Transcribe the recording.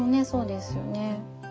そうですよね。